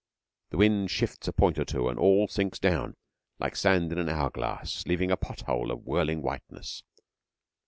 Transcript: The wind shifts a point or two, and all sinks down, like sand in the hour glass, leaving a pot hole of whirling whiteness.